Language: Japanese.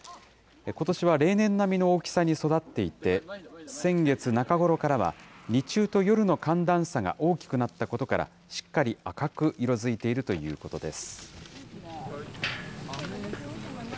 ことしは例年並みの大きさに育っていて、先月中頃からは、日中と夜の寒暖差が大きくなったことから、しっかり赤く色づいているということです。